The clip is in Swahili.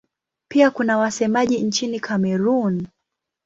Pia kuna wasemaji nchini Kamerun.